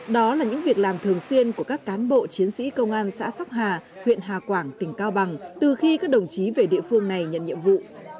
đó là những việc làm thường xuyên của các cán bộ chiến sĩ công an xã sóc hà huyện hà quảng tỉnh cao bằng từ khi các đồng chí về địa phương này nhận nhiệm vụ